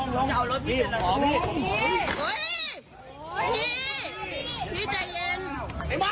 หลงหน้าเลยพี่